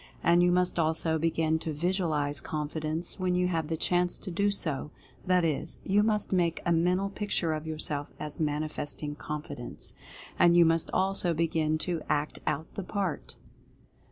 And you must also begin to Visualize "Confidence" when you have the chance to do so — that is, you must make a Mental Picture of yourself as manifesting Confidence. And you must also begin to ACT OUT THE PART.